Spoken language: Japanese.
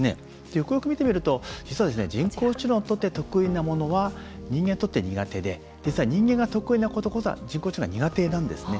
よくよく見てみると、実は人工知能にとって得意なものは人間にとって苦手で実は、人間が得意なことこそが人工知能は苦手なんですね。